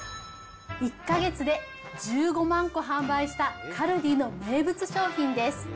１か月で１５万個販売した、カルディの名物商品です。